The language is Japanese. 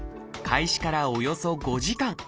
開始からおよそ５時間